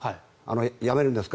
辞めるんですか？